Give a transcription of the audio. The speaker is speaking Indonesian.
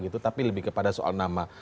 tapi lebih kepada soal nama